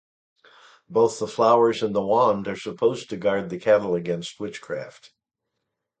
Both the flowers and the wand are supposed to guard the cattle against witchcraft.